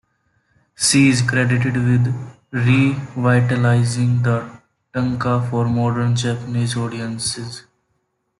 She is credited with revitalizing the tanka for modern Japanese audiences.